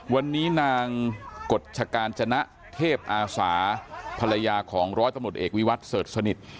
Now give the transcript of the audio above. วันนี้นางกฎชการจนะเทพอาสาภรรยาของร้อยตำรวจเอกวิวัตรเสิร์ชสนิท